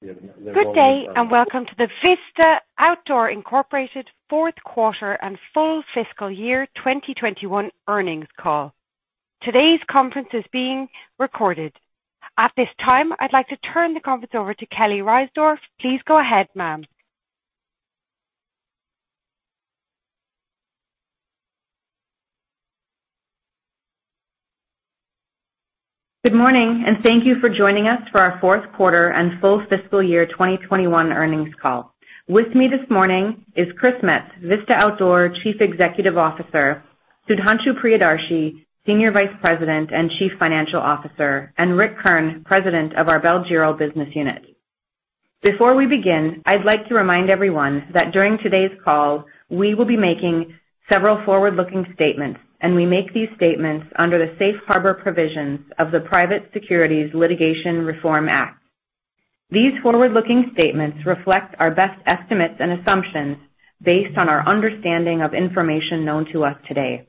Good day, and welcome to the Vista Outdoor Inc. Fourth Quarter and Full Fiscal Year 2021 Earnings Call. Today's conference is being recorded. At this time, I'd like to turn the conference over to Kelly Reisdorf. Please go ahead, ma'am. Good morning, and thank you for joining us for our Fourth Quarter and Full Fiscal Year 2021 Earnings Call. With me this morning is Chris Metz, Vista Outdoor Chief Executive Officer, Sudhanshu Priyadarshi, Senior Vice President and Chief Financial Officer, and Ric Kern, President of our Bell & Giro business unit. Before we begin, I'd like to remind everyone that during today's call, we will be making several forward-looking statements, and we make these statements under the safe harbor provisions of the Private Securities Litigation Reform Act. These forward-looking statements reflect our best estimates and assumptions based on our understanding of information known to us today.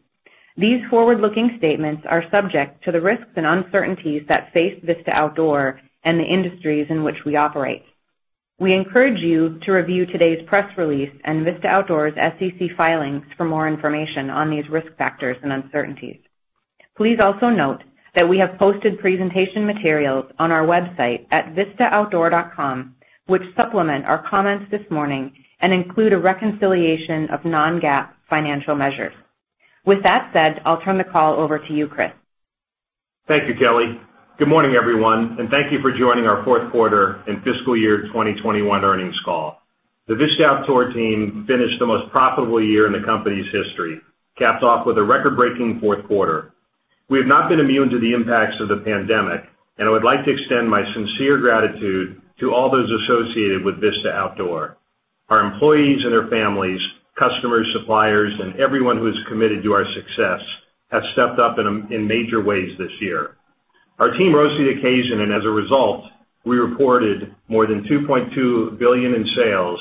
These forward-looking statements are subject to the risks and uncertainties that face Vista Outdoor and the industries in which we operate. We encourage you to review today's press release and Vista Outdoor's SEC filings for more information on these risk factors and uncertainties. Please also note that we have posted presentation materials on our website at vistaoutdoor.com, which supplement our comments this morning and include a reconciliation of non-GAAP financial measures. With that said, I'll turn the call over to you, Chris. Thank you, Kelly. Good morning, everyone, and thank you for joining our fourth quarter and fiscal year 2021 earnings call. The Vista Outdoor team finished the most profitable year in the company's history, capped off with a record-breaking fourth quarter. We have not been immune to the impacts of the pandemic, and I would like to extend my sincere gratitude to all those associated with Vista Outdoor. Our employees and their families, customers, suppliers, and everyone who is committed to our success have stepped up in major ways this year. Our team rose to the occasion, and as a result, we reported more than $2.2 billion in sales,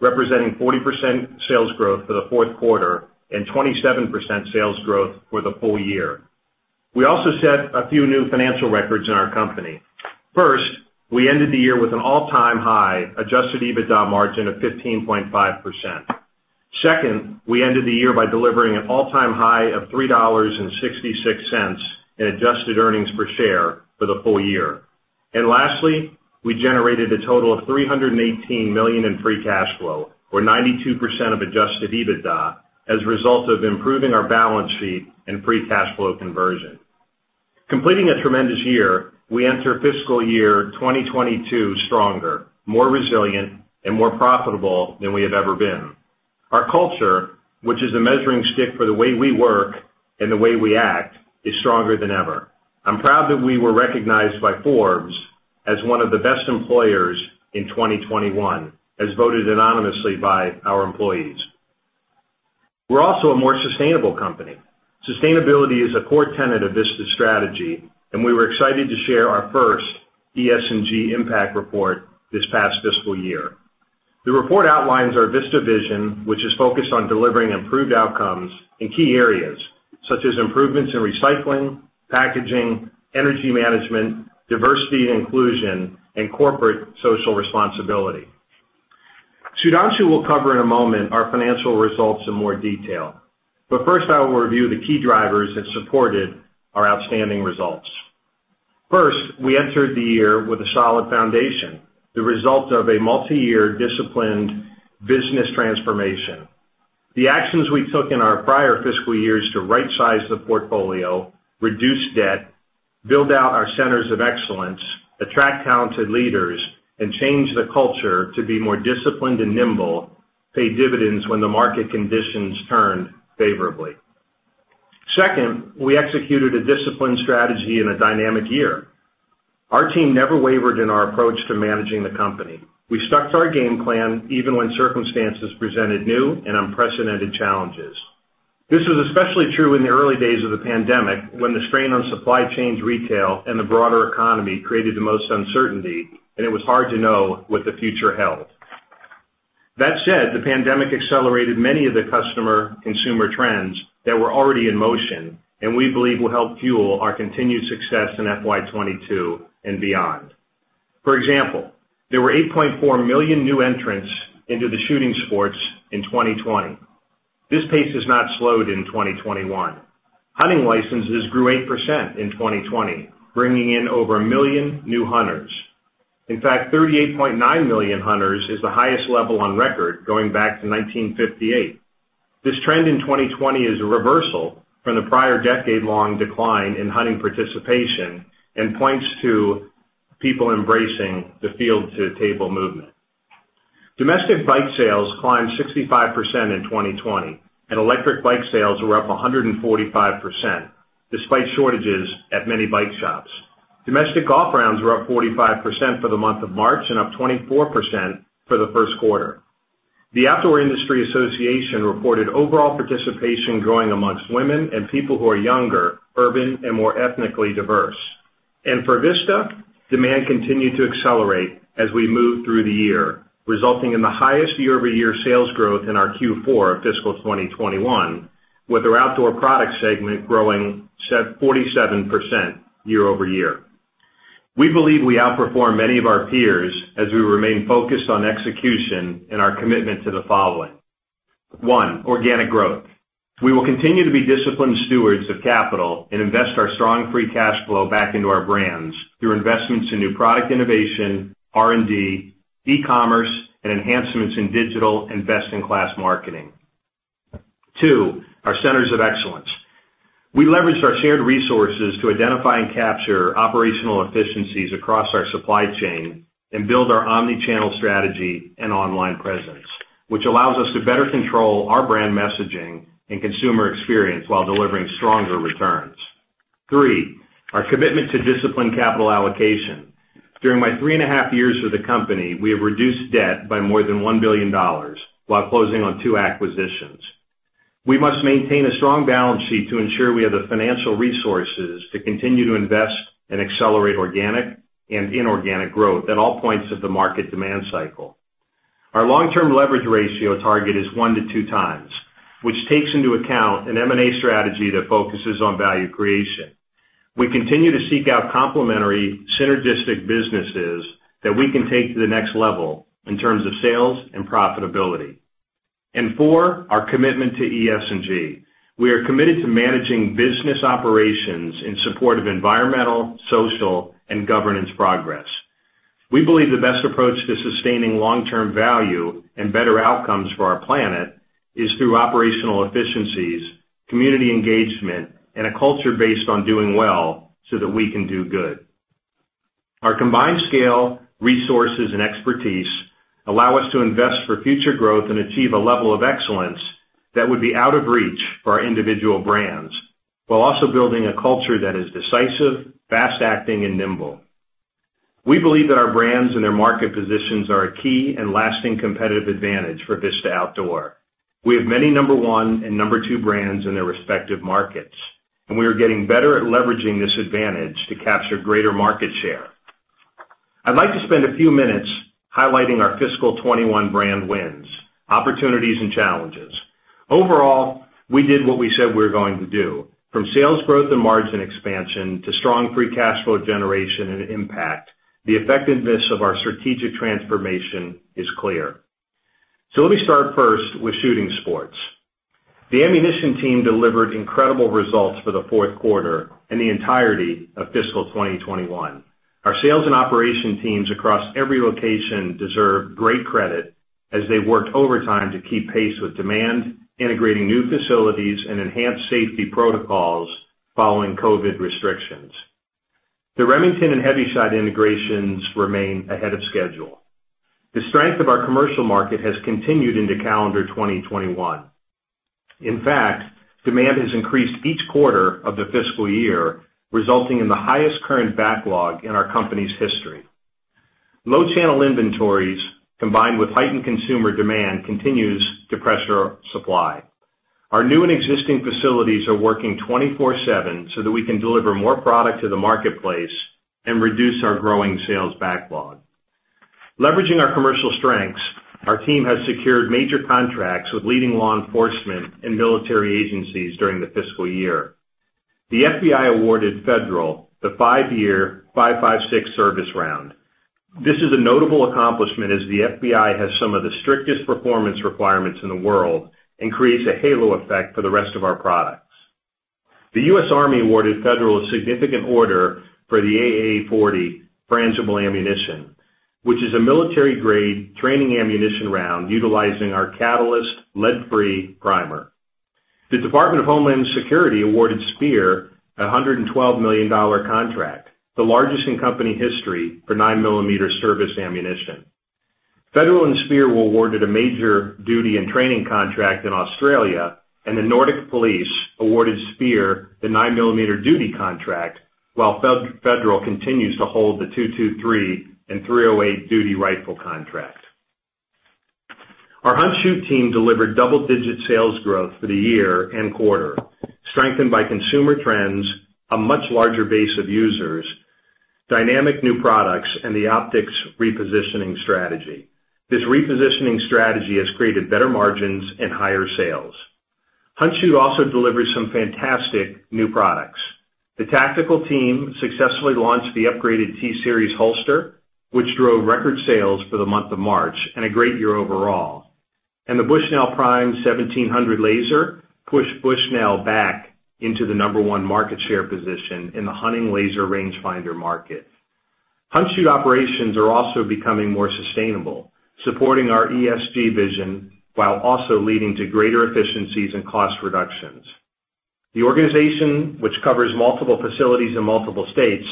representing 40% sales growth for the fourth quarter and 27% sales growth for the full-year. We also set a few new financial records in our company. First, we ended the year with an all-time high adjusted EBITDA margin of 15.5%. We ended the year by delivering an all-time high of $3.66 in adjusted earnings per share for the full-year. Lastly, we generated a total of $318 million in free cash flow or 92% of adjusted EBITDA as a result of improving our balance sheet and free cash flow conversion. Completing a tremendous year, we enter fiscal year 2022 stronger, more resilient, and more profitable than we have ever been. Our culture, which is a measuring stick for the way we work and the way we act, is stronger than ever. I'm proud that we were recognized by Forbes as one of the best employers in 2021, as voted anonymously by our employees. We're also a more sustainable company. Sustainability is a core tenet of Vista's strategy, and we were excited to share our first ES&G impact report this past fiscal year. The report outlines our Vista Vision, which is focused on delivering improved outcomes in key areas, such as improvements in recycling, packaging, energy management, diversity and inclusion, and corporate social responsibility. Sudhanshu will cover in a moment our financial results in more detail. First, I will review the key drivers that supported our outstanding results. First, we entered the year with a solid foundation, the result of a multi-year disciplined business transformation. The actions we took in our prior fiscal years to rightsize the portfolio, reduce debt, build out our centers of excellence, attract talented leaders, and change the culture to be more disciplined and nimble, pay dividends when the market conditions turn favorably. Second, we executed a disciplined strategy in a dynamic year. Our team never wavered in our approach to managing the company. We stuck to our game plan even when circumstances presented new and unprecedented challenges. This was especially true in the early days of the pandemic, when the strain on supply chains, retail, and the broader economy created the most uncertainty and it was hard to know what the future held. That said, the pandemic accelerated many of the customer consumer trends that were already in motion and we believe will help fuel our continued success in FY 2022 and beyond. For example, there were 8.4 million new entrants into the Shooting Sports in 2020. This pace has not slowed in 2021. Hunting licenses grew 8% in 2020, bringing in over 1 million new hunters. In fact, 38.9 million hunters is the highest level on record going back to 1958. This trend in 2020 is a reversal from the prior decade-long decline in hunting participation and points to people embracing the field-to-table movement. Domestic bike sales climbed 65% in 2020, electric bike sales were up 145%, despite shortages at many bike shops. Domestic golf rounds were up 45% for the month of March and up 24% for the first quarter. The Outdoor Industry Association reported overall participation growing amongst women and people who are younger, urban, and more ethnically diverse. For Vista, demand continued to accelerate as we moved through the year, resulting in the highest year-over-year sales growth in our Q4 of fiscal 2021, with our outdoor product segment growing 47% year-over-year. We believe we outperform many of our peers as we remain focused on execution and our commitment to the following. One, organic growth. We will continue to be disciplined stewards of capital and invest our strong free cash flow back into our brands through investments in new product innovation, R&D, e-commerce, and enhancements in digital and best-in-class marketing. Two, our centers of excellence. We leveraged our shared resources to identify and capture operational efficiencies across our supply chain and build our omni-channel strategy and online presence, which allows us to better control our brand messaging and consumer experience while delivering stronger returns. Three, our commitment to disciplined capital allocation. During my three and a half years with the company, we have reduced debt by more than $1 billion while closing on two acquisitions. We must maintain a strong balance sheet to ensure we have the financial resources to continue to invest and accelerate organic and inorganic growth at all points of the market demand cycle. Our long-term leverage ratio target is one to two times, which takes into account an M&A strategy that focuses on value creation. We continue to seek out complementary, synergistic businesses that we can take to the next level in terms of sales and profitability. Four, our commitment to ESG. We are committed to managing business operations in support of environmental, social, and governance progress. We believe the best approach to sustaining long-term value and better outcomes for our planet is through operational efficiencies, community engagement, and a culture based on doing well so that we can do good. Our combined scale, resources, and expertise allow us to invest for future growth and achieve a level of excellence that would be out of reach for our individual brands, while also building a culture that is decisive, fast-acting, and nimble. We believe that our brands and their market positions are a key and lasting competitive advantage for Vista Outdoor. We have many number one and number two brands in their respective markets. We are getting better at leveraging this advantage to capture greater market share. I'd like to spend a few minutes highlighting our fiscal 2021 brand wins, opportunities, and challenges. Overall, we did what we said we were going to do, from sales growth and margin expansion to strong free cash flow generation and impact. The effectiveness of our strategic transformation is clear. Let me start first with Shooting Sports. The ammunition team delivered incredible results for the fourth quarter and the entirety of fiscal 2021. Our sales and operation teams across every location deserve great credit as they worked overtime to keep pace with demand, integrating new facilities and enhanced safety protocols following COVID restrictions. The Remington and Hevi-Shot integrations remain ahead of schedule. The strength of our commercial market has continued into calendar 2021. In fact, demand has increased each quarter of the fiscal year, resulting in the highest current backlog in our company's history. Low channel inventories, combined with heightened consumer demand, continues to pressure supply. Our new and existing facilities are working 24/7 so that we can deliver more product to the marketplace and reduce our growing sales backlog. Leveraging our commercial strengths, our team has secured major contracts with leading law enforcement and military agencies during the fiscal year. The FBI awarded Federal the five-year 5.56 service round. This is a notable accomplishment, as the FBI has some of the strictest performance requirements in the world and creates a halo effect for the rest of our products. The U.S. Army awarded Federal a significant order for the AA40 frangible ammunition, which is a military-grade training ammunition round utilizing our catalyst lead-free primer. The Department of Homeland Security awarded Speer a $112 million contract, the largest in company history for 9-millimeter service ammunition. Federal and Speer were awarded a major duty and training contract in Australia, and the Nordic Police awarded Speer the 9-millimeter duty contract, while Federal continues to hold the 223 and 308 duty rifle contract. Our Hunt Shoot team delivered double-digit sales growth for the year and quarter, strengthened by consumer trends, a much larger base of users, dynamic new products, and the optics repositioning strategy. This repositioning strategy has created better margins and higher sales. Hunt Shoot also delivered some fantastic new products. The tactical team successfully launched the upgraded T-Series holster, which drove record sales for the month of March and a great year overall. The Bushnell Prime 1700 laser pushed Bushnell back into the number one market share position in the hunting laser rangefinder market. Hunt Shoot operations are also becoming more sustainable, supporting our ESG vision while also leading to greater efficiencies and cost reductions. The organization, which covers multiple facilities in multiple states,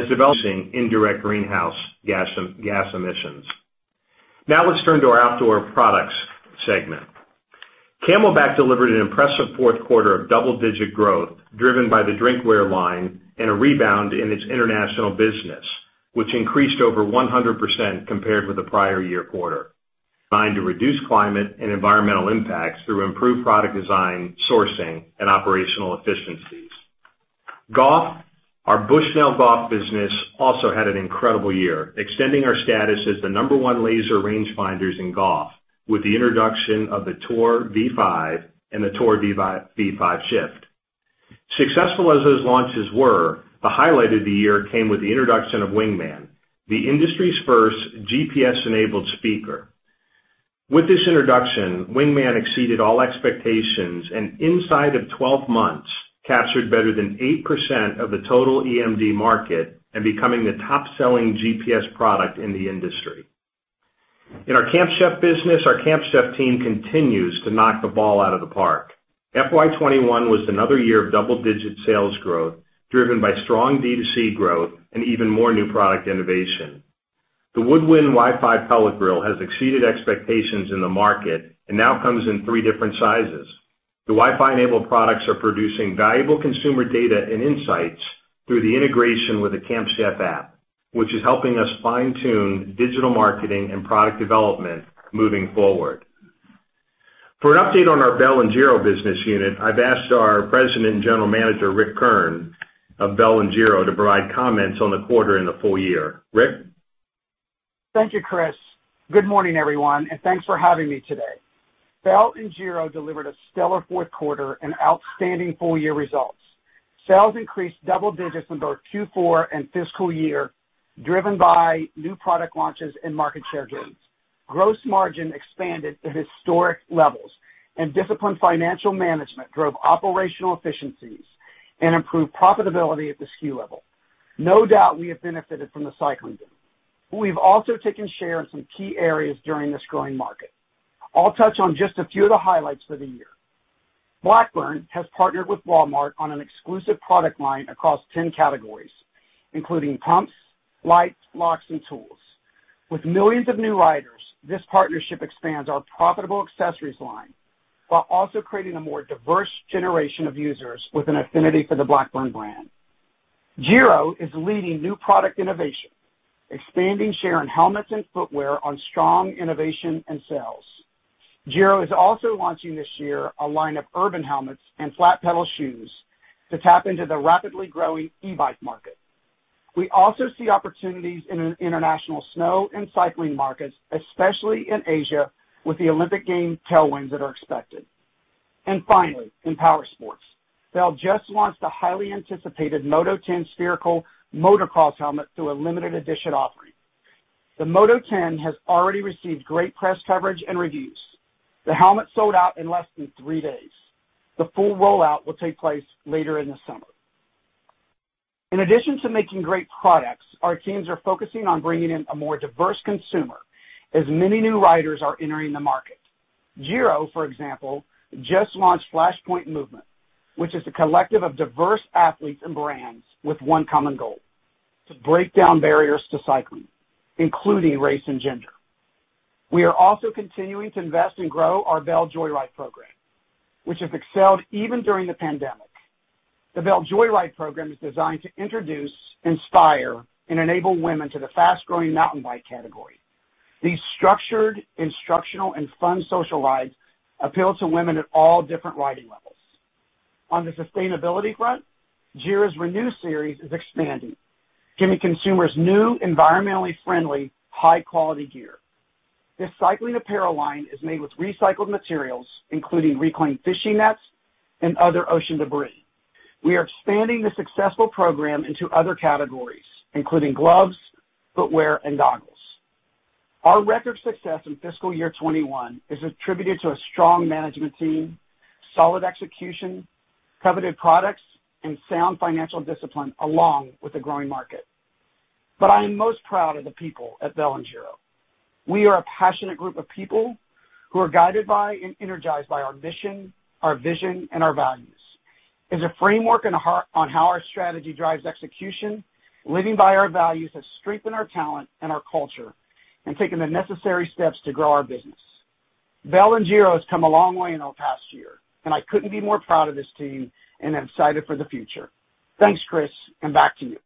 has developed indirect greenhouse gas emissions. Now let's turn to our outdoor products segment. CamelBak delivered an impressive fourth quarter of double-digit growth, driven by the drinkware line and a rebound in its international business, which increased over 100% compared with the prior year quarter. Designed to reduce climate and environmental impacts through improved product design, sourcing, and operational efficiency. Golf, our Bushnell Golf business also had an incredible year, extending our status as the number one laser rangefinders in golf, with the introduction of the Tour V5 and the Tour V5 Shift. Successful as those launches were, the highlight of the year came with the introduction of Wingman, the industry's first GPS-enabled speaker. With this introduction, Wingman exceeded all expectations and inside of 12 months, captured better than 8% of the total AMD market in becoming the top-selling GPS product in the industry. In our Camp Chef business, our Camp Chef team continues to knock the ball out of the park. FY 2021 was another year of double-digit sales growth driven by strong D2C growth and even more new product innovation. The Woodwind Wi-Fi pellet grill has exceeded expectations in the market and now comes in three different sizes. The Wi-Fi enabled products are producing valuable consumer data and insights through the integration with the Camp Chef app, which is helping us fine-tune digital marketing and product development moving forward. For an update on our Bell and Giro business unit, I've asked our President and General Manager, Ric Kern of Bell and Giro to provide comments on the quarter and the full-year. Ric? Thank you, Chris. Good morning, everyone, and thanks for having me today. Bell and Giro delivered a stellar fourth quarter and outstanding full-year results. Sales increased double digits in both Q4 and fiscal year, driven by new product launches and market share gains. Gross margin expanded to historic levels and disciplined financial management drove operational efficiencies and improved profitability at the SKU level. No doubt, we have benefited from the cycling boom. We've also taken share in some key areas during this growing market. I'll touch on just a few of the highlights for the year. Blackburn has partnered with Walmart on an exclusive product line across 10 categories, including pumps, lights, locks, and tools. With millions of new riders, this partnership expands our profitable accessories line while also creating a more diverse generation of users with an affinity for the Blackburn brand. Giro is leading new product innovation, expanding share in helmets and footwear on strong innovation and sales. Giro is also launching this year a line of urban helmets and flat pedal shoes to tap into the rapidly growing e-bike market. We also see opportunities in international snow and cycling markets, especially in Asia, with the Olympic Games tailwinds that are expected. Finally, in powersports, Bell just launched the highly anticipated Moto-10 spherical motocross helmet through a limited edition offering. The Moto-10 has already received great press coverage and reviews. The helmet sold out in less than three days. The full rollout will take place later in the summer. In addition to making great products, our teams are focusing on bringing in a more diverse consumer as many new riders are entering the market. Giro, for example, just launched Flashpoint Movement, which is a collective of diverse athletes and brands with one common goal, to break down barriers to cycling, including race and gender. We are also continuing to invest and grow our Bell Joy Ride program, which has excelled even during the pandemic. The Bell Joy Ride program is designed to introduce, inspire, and enable women to the fast-growing mountain bike category. These structured, instructional, and fun social rides appeal to women at all different riding levels. On the sustainability front, Giro's Renew Series is expanding, giving consumers new, environmentally friendly, high-quality gear. This cycling apparel line is made with recycled materials, including reclaimed fishing nets and other ocean debris. We are expanding the successful program into other categories, including gloves, footwear, and goggles. Our record success in fiscal year 2021 is attributed to a strong management team, solid execution, coveted products, and sound financial discipline along with the growing market. I am most proud of the people at Bell and Giro. We are a passionate group of people who are guided by and energized by our mission, our vision, and our values. As a framework on how our strategy drives execution, living by our values has strengthened our talent and our culture in taking the necessary steps to grow our business. Bell and Giro has come a long way in the past year, and I couldn't be more proud of this team and am excited for the future. Thanks, Chris, and back to you.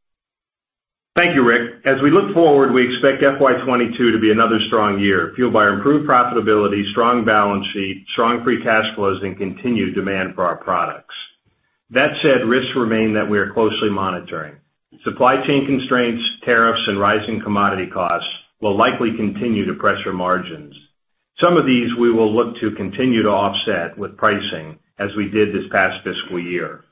Thank you, Ric. As we look forward, we expect FY 2022 to be another strong year, fueled by improved profitability, strong balance sheet, strong free cash flows, and continued demand for our products. That said, risks remain that we are closely monitoring. Supply chain constraints, tariffs, and rising commodity costs will likely continue to pressure margins. Some of these we will look to continue to offset with pricing as we did this past fiscal year.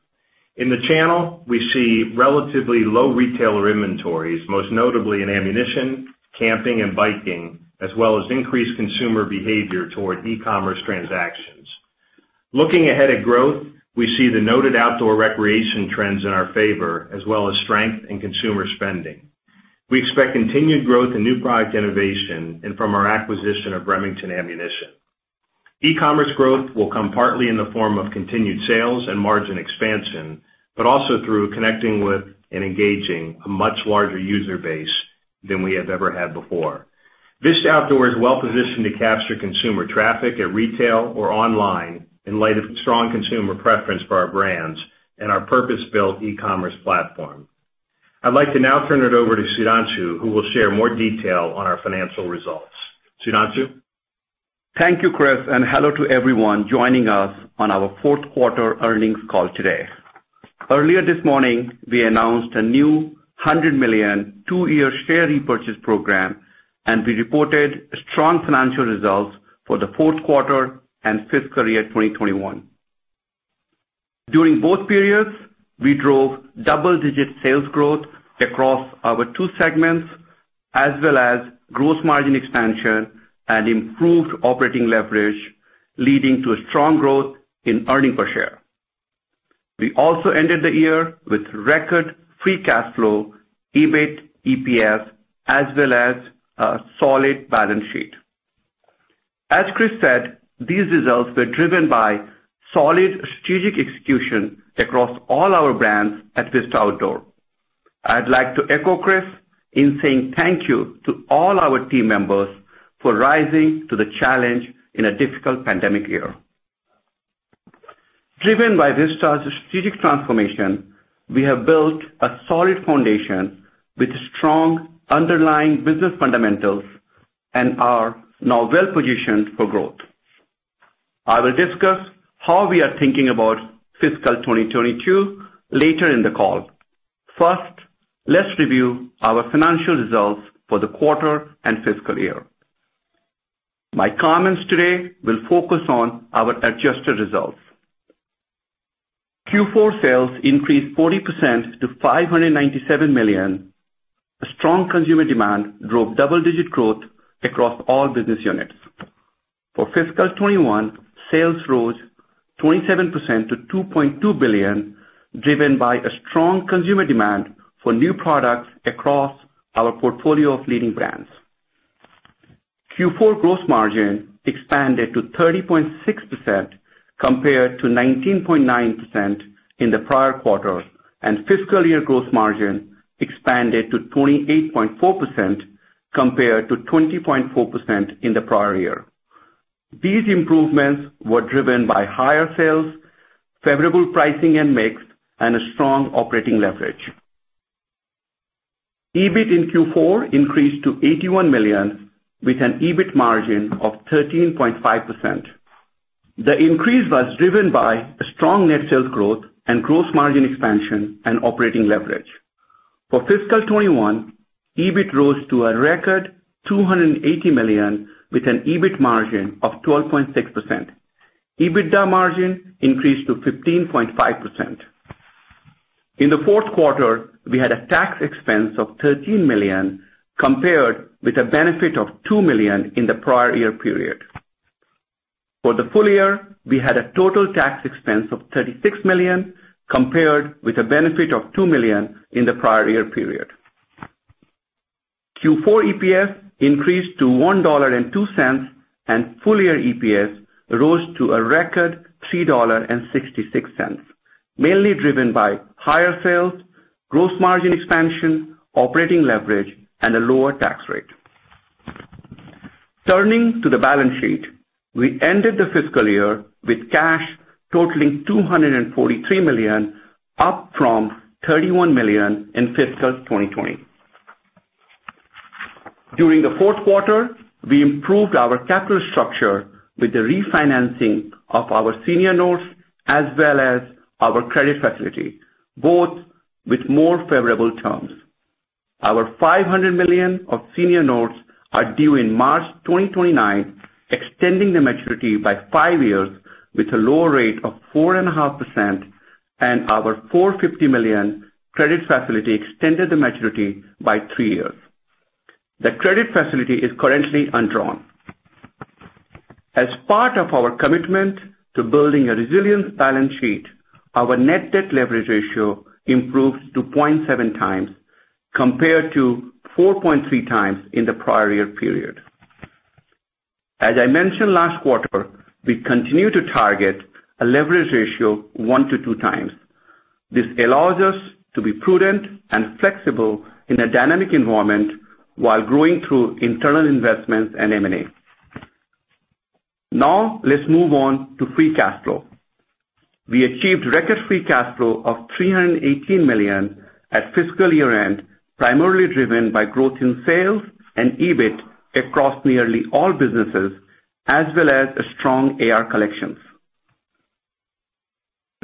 In the channel, we see relatively low retailer inventories, most notably in ammunition, camping, and biking, as well as increased consumer behavior toward e-commerce transactions. Looking ahead at growth, we see the noted outdoor recreation trends in our favor, as well as strength in consumer spending. We expect continued growth in new product innovation and from our acquisition of Remington Ammunition. E-commerce growth will come partly in the form of continued sales and margin expansion, but also through connecting with and engaging a much larger user base than we have ever had before. Vista Outdoor is well-positioned to capture consumer traffic at retail or online in light of strong consumer preference for our brands and our purpose-built e-commerce platform. I'd like to now turn it over to Sudhanshu, who will share more detail on our financial results. Sudhanshu? Thank you, Chris, and hello to everyone joining us on our fourth quarter earnings call today. Earlier this morning, we announced a new $100 million two-year share repurchase program, and we reported strong financial results for the fourth quarter and fiscal year 2021. During both periods, we drove double-digit sales growth across our two segments, as well as gross margin expansion and improved operating leverage, leading to a strong growth in earnings per share. We also ended the year with record free cash flow, EBIT, EPS, as well as a solid balance sheet. As Chris said, these results were driven by solid strategic execution across all our brands at Vista Outdoor. I'd like to echo Chris in saying thank you to all our team members for rising to the challenge in a difficult pandemic year. Driven by Vista's strategic transformation, we have built a solid foundation with strong underlying business fundamentals and are now well positioned for growth. I will discuss how we are thinking about fiscal 2022 later in the call. First, let's review our financial results for the quarter and fiscal year. My comments today will focus on our adjusted results. Q4 sales increased 40% to $597 million. A strong consumer demand drove double-digit growth across all business units. For fiscal 2021, sales rose 27% to $2.2 billion, driven by a strong consumer demand for new products across our portfolio of leading brands. Q4 gross margin expanded to 30.6% compared to 19.9% in the prior quarter, and fiscal year gross margin expanded to 28.4% compared to 20.4% in the prior year. These improvements were driven by higher sales, favorable pricing and mix, and a strong operating leverage. EBIT in Q4 increased to $81 million with an EBIT margin of 13.5%. The increase was driven by a strong net sales growth and gross margin expansion and operating leverage. For fiscal 2021, EBIT rose to a record $280 million with an EBIT margin of 12.6%. EBITDA margin increased to 15.5%. In the fourth quarter, we had a tax expense of $13 million compared with a benefit of $2 million in the prior year period. For the full-year, we had a total tax expense of $36 million compared with a benefit of $2 million in the prior year period. Q4 EPS increased to $1.02, and full-year EPS rose to a record $3.66, mainly driven by higher sales, gross margin expansion, operating leverage, and a lower tax rate. Turning to the balance sheet, we ended the fiscal year with cash totaling $243 million, up from $31 million in fiscal 2020. During the fourth quarter, we improved our capital structure with the refinancing of our senior notes as well as our credit facility, both with more favorable terms. Our $500 million of senior notes are due in March 2029, extending the maturity by five years with a lower rate of 4.5%, and our $450 million credit facility extended the maturity by three years. The credit facility is currently undrawn. As part of our commitment to building a resilient balance sheet, our net debt leverage ratio improved to 0.7x compared to 4.3x in the prior year period. As I mentioned last quarter, we continue to target a leverage ratio one to 2x. This allows us to be prudent and flexible in a dynamic environment while growing through internal investments and M&A. Let's move on to free cash flow. We achieved record free cash flow of $318 million at fiscal year-end, primarily driven by growth in sales and EBIT across nearly all businesses, as well as strong AR collections.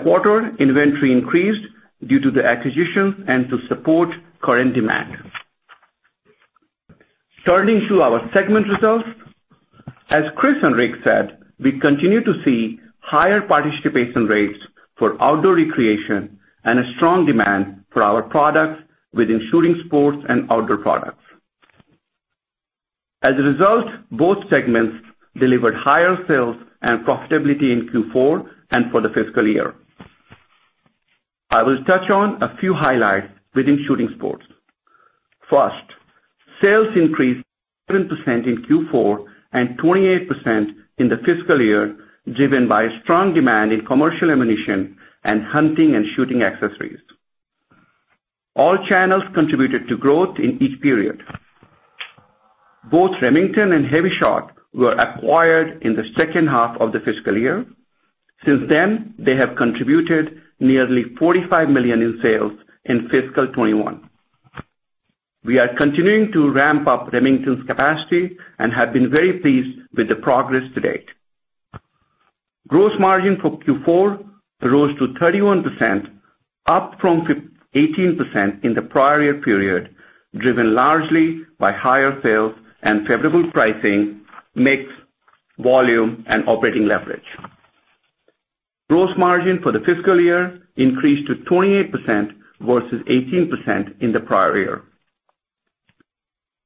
Quarter inventory increased due to the acquisition and to support current demand. Turning to our segment results, as Chris and Ric said, we continue to see higher participation rates for outdoor recreation and a strong demand for our products within Shooting Sports and Outdoor Products. As a result, both segments delivered higher sales and profitability in Q4 and for the fiscal year. I will touch on a few highlights within Shooting Sports. First, sales increased 7% in Q4 and 28% in the fiscal year, driven by a strong demand in commercial ammunition and hunting and shooting accessories. All channels contributed to growth in each period. Both Remington and Hevi-Shot were acquired in the second half of the fiscal year. Since then, they have contributed nearly $45 million in sales in fiscal 2021. We are continuing to ramp up Remington's capacity and have been very pleased with the progress to date. Gross margin for Q4 rose to 31%, up from 18% in the prior year period, driven largely by higher sales and favorable pricing, mix, volume, and operating leverage. Gross margin for the fiscal year increased to 28% versus 18% in the prior year.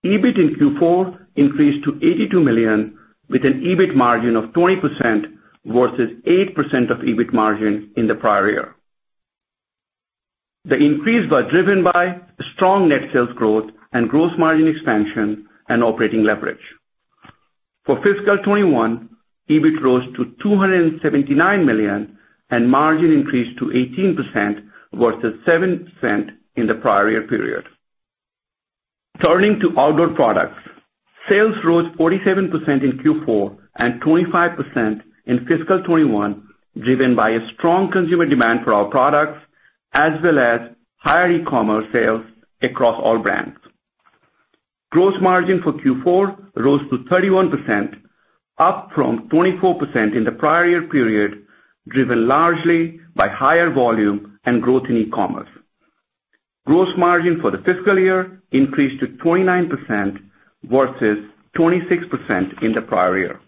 EBIT in Q4 increased to $82 million, with an EBIT margin of 20% versus 8% of EBIT margin in the prior year. The increase was driven by strong net sales growth and gross margin expansion and operating leverage. For fiscal 2021, EBIT rose to $279 million, and margin increased to 18% versus 7% in the prior year period. Turning to outdoor products. Sales rose 47% in Q4 and 25% in FY 2021, driven by a strong consumer demand for our products, as well as higher e-commerce sales across all brands. Gross margin for Q4 rose to 31%, up from 24% in the prior year period, driven largely by higher volume and growth in e-commerce. Gross margin for the fiscal year increased to 29% versus 26% in the prior year.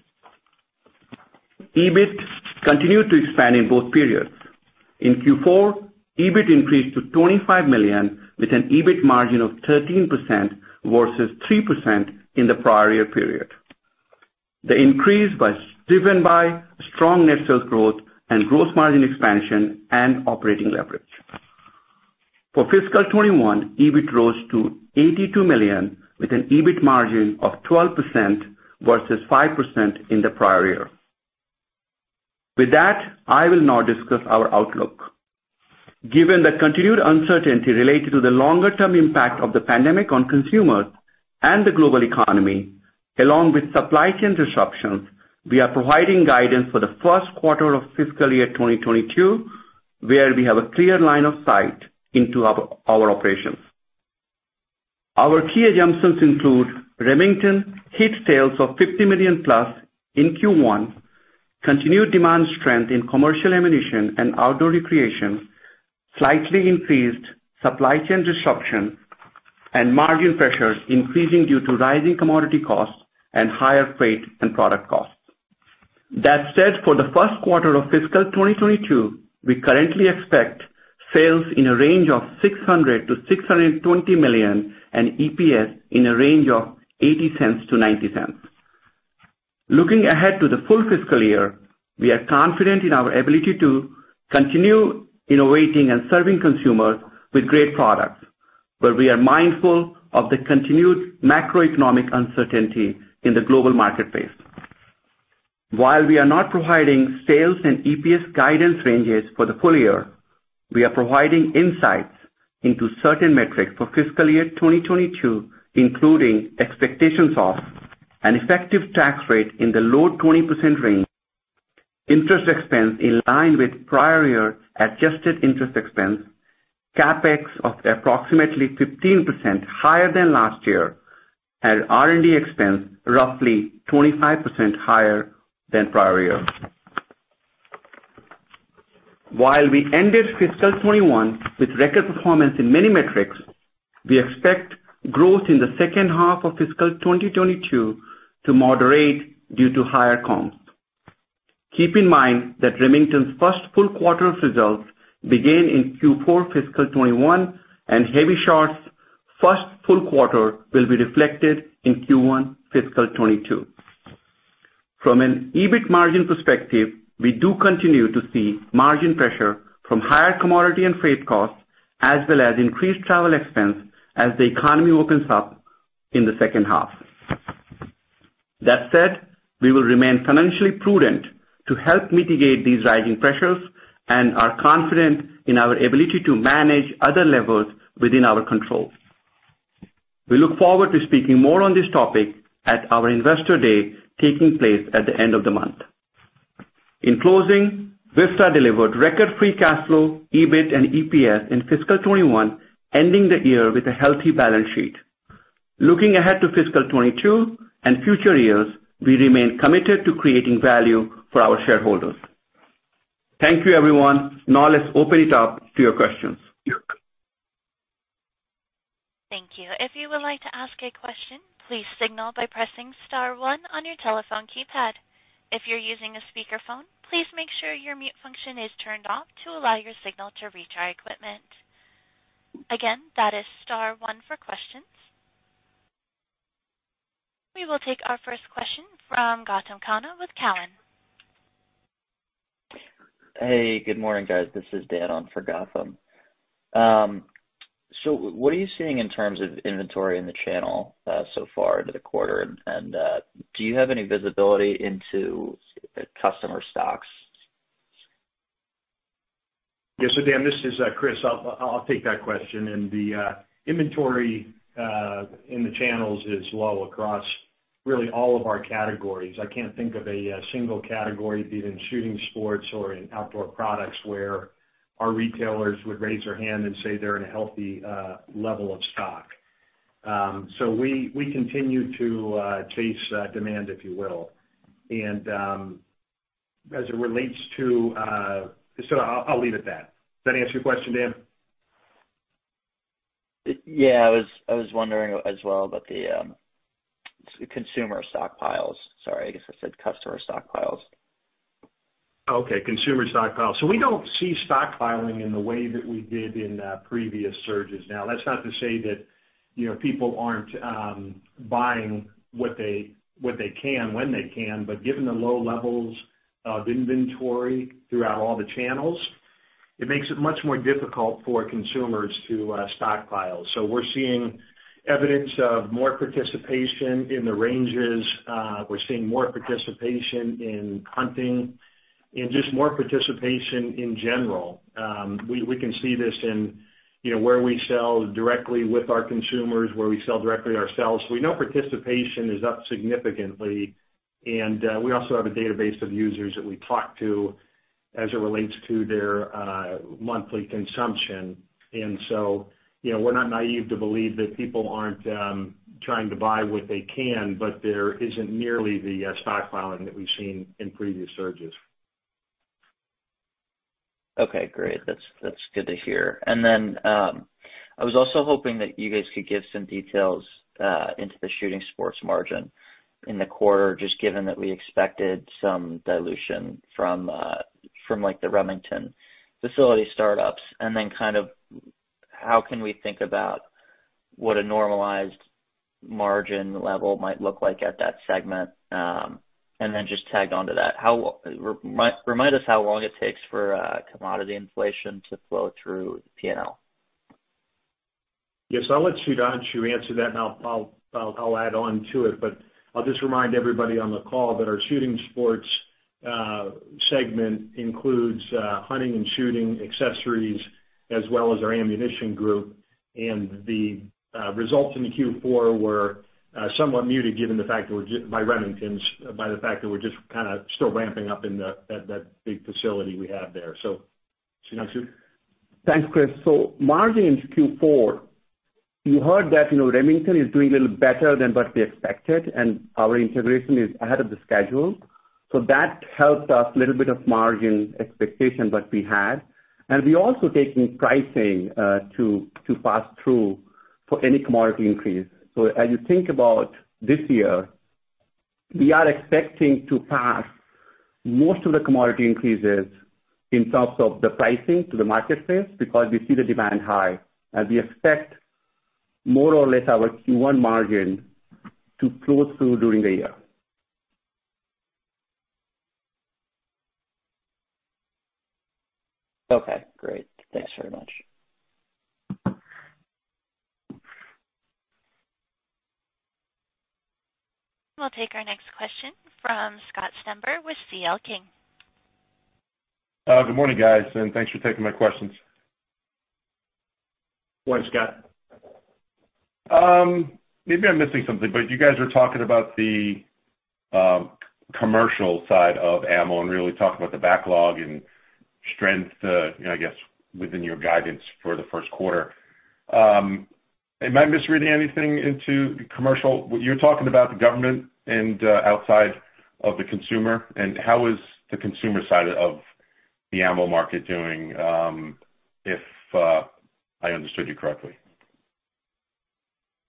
EBIT continued to expand in both periods. In Q4, EBIT increased to $25 million, with an EBIT margin of 13% versus 3% in the prior year period. The increase was driven by strong net sales growth and gross margin expansion and operating leverage. For FY 2021, EBIT rose to $82 million, with an EBIT margin of 12% versus 5% in the prior year. With that, I will now discuss our outlook. Given the continued uncertainty related to the longer-term impact of the pandemic on consumers and the global economy, along with supply chain disruptions, we are providing guidance for the first quarter of fiscal year 2022, where we have a clear line of sight into our operations. Our key assumptions include Remington hit sales of $50 million+ in Q1, continued demand strength in commercial ammunition and outdoor recreation, slightly increased supply chain disruptions, and margin pressures increasing due to rising commodity costs and higher freight and product costs. That said, for the first quarter of fiscal 2022, we currently expect sales in a range of $600 million to $620 million and EPS in a range of $0.80-$0.90. Looking ahead to the full fiscal year, we are confident in our ability to continue innovating and serving consumers with great products, but we are mindful of the continued macroeconomic uncertainty in the global marketplace. While we are not providing sales and EPS guidance ranges for the full-year, we are providing insights into certain metrics for fiscal year 2022, including expectations of an effective tax rate in the low 20% range, interest expense in line with prior year adjusted interest expense, CapEx of approximately 15% higher than last year, and R&D expense roughly 25% higher than prior year. While we ended fiscal 2021 with record performance in many metrics, we expect growth in the second half of fiscal 2022 to moderate due to higher comps. Keep in mind that Remington's first full quarter of results began in Q4 fiscal 2021, and Hevi-Shot's first full quarter will be reflected in Q1 fiscal 2022. From an EBIT margin perspective, we do continue to see margin pressure from higher commodity and freight costs, as well as increased travel expense as the economy opens up in the second half. That said, we will remain financially prudent to help mitigate these rising pressures and are confident in our ability to manage other levels within our control. We look forward to speaking more on this topic at our Investor Day taking place at the end of the month. In closing, Vista delivered record free cash flow, EBIT, and EPS in fiscal 2021, ending the year with a healthy balance sheet. Looking ahead to fiscal 2022 and future years, we remain committed to creating value for our shareholders. Thank you, everyone. Now let's open it up to your questions. Thank you. We will take our first question from Gautam Khanna with Cowen. Hey, good morning, guys. This is Dan on for Gautam. What are you seeing in terms of inventory in the channel so far into the quarter? Do you have any visibility into customer stocks? Yeah. Dan, this is Chris. I'll take that question. The inventory in the channels is low across. Really all of our categories. I can't think of a single category, be it in shooting sports or in outdoor products, where our retailers would raise their hand and say they're in a healthy level of stock. We continue to chase demand, if you will. I'll leave it that. Does that answer your question, Dan? Yeah, I was wondering as well about the consumer stockpiles. Sorry, I guess I said customer stockpiles. Okay, consumer stockpiles. We don't see stockpiling in the way that we did in previous surges. Now, that's not to say that people aren't buying what they can when they can, but given the low levels of inventory throughout all the channels, it makes it much more difficult for consumers to stockpile. We're seeing evidence of more participation in the ranges. We're seeing more participation in hunting and just more participation in general. We can see this in where we sell directly with our consumers, where we sell directly ourselves. We know participation is up significantly, and we also have a database of users that we talk to as it relates to their monthly consumption. We're not naive to believe that people aren't trying to buy what they can, but there isn't nearly the stockpiling that we've seen in previous surges. Okay, great. That's good to hear. I was also hoping that you guys could give some details into the shooting sports margin in the quarter, just given that we expected some dilution from the Remington facility startups. How can we think about what a normalized margin level might look like at that segment? Just tag onto that, remind us how long it takes for commodity inflation to flow through P&L. Yes, I'll let Sudhanshu answer that, and I'll add on to it, but I'll just remind everybody on the call that our shooting sports segment includes hunting and shooting accessories, as well as our ammunition group. The results in Q4 were somewhat muted by Remington's, by the fact that we're just kind of still ramping up in that big facility we have there. Sudhanshu? Thanks, Chris. Margin in Q4, you heard that Remington is doing a little better than what we expected, and our integration is ahead of the schedule. That helped us a little bit of margin expectation that we had. We're also taking pricing to pass through for any commodity increase. As you think about this year, we are expecting to pass most of the commodity increases in terms of the pricing to the marketplace because we see the demand high, and we expect more or less our Q1 margin to flow through during the year. Okay, great. Thanks very much. We'll take our next question from Scott Stember with CL King. Good morning, guys, and thanks for taking my questions. Morning, Scott. Maybe I'm missing something. You guys are talking about the commercial side of ammo and really talking about the backlog and strength, I guess, within your guidance for the first quarter. Am I misreading anything into the commercial? You're talking about the government and outside of the consumer. How is the consumer side of the ammo market doing, if I understood you correctly?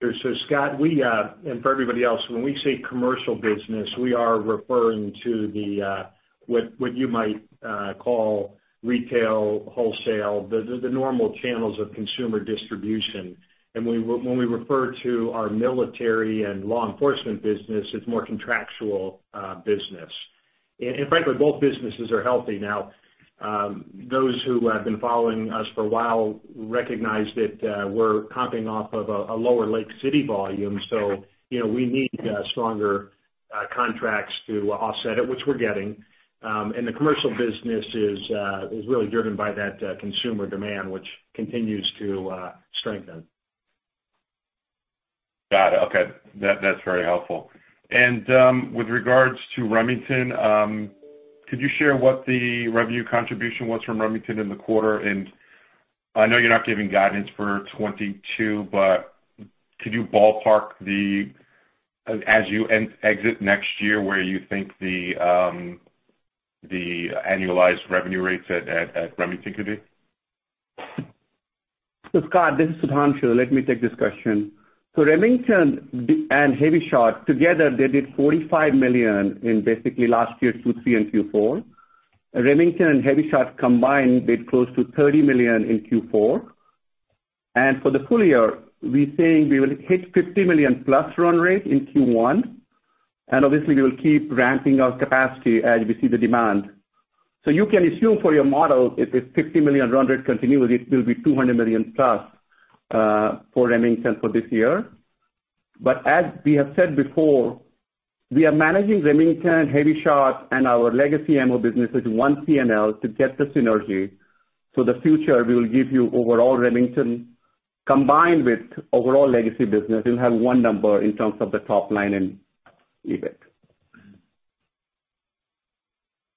Sure. Scott, when we say commercial business, we are referring to what you might call retail, wholesale, the normal channels of consumer distribution. When we refer to our military and law enforcement business, it's more contractual business. Frankly, both businesses are healthy now. Those who have been following us for a while recognize that we're comping off of a lower Lake City volume, we need stronger contracts to offset it, which we're getting. The commercial business is really driven by that consumer demand, which continues to strengthen. Got it. Okay. That's very helpful. With regards to Remington, could you share what the revenue contribution was from Remington in the quarter? I know you're not giving guidance for 2022, but could you ballpark as you exit next year, where you think the annualized revenue rates at Remington could be? Scott, this is Sudhanshu. Let me take this question. Remington and Hevi-Shot, together, they did $45 million in basically last year, Q3 and Q4. Remington and Hevi-Shot combined did close to $30 million in Q4. For the full-year, we're saying we will hit $50 million to plus run rate in Q1. Obviously, we will keep ramping our capacity as we see the demand. You can assume for your model, if this $50 million run rate continues, it will be $200 million to plus for Remington for this year. As we have said before, we are managing Remington, Hevi-Shot, and our legacy ammo business as one P&L to get the synergy. The future will give you overall Remington combined with overall legacy business, you'll have one number in terms of the top line and EBIT.